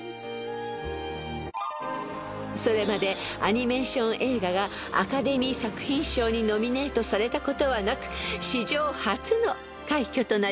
［それまでアニメーション映画がアカデミー作品賞にノミネートされたことはなく史上初の快挙となりました］